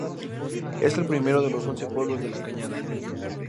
Es el primero de los once pueblos de la cañada.